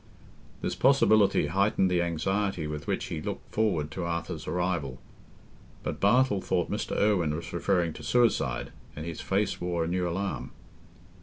This possibility heightened the anxiety with which he looked forward to Arthur's arrival. But Bartle thought Mr. Irwine was referring to suicide, and his face wore a new alarm.